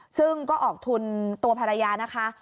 ซึ่งก็ออกทุนตัวภรรยานะคะ